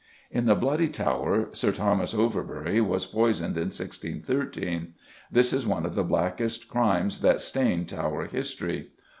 In the Bloody Tower Sir Thomas Overbury was poisoned in 1613. This is one of the blackest crimes that stain Tower history.